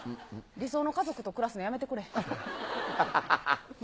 理想の家族と暮らすのやめてくれへん。